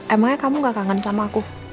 emangnya kamu gak kangen sama aku